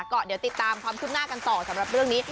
ก็เดี๋ยวติดตามความคืบหน้ากันต่อสำหรับเรื่องนี้